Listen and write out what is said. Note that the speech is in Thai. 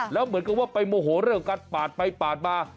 แล้วเหมือนกับว่าไปโมโหเรื่องการปาดไปปาดมา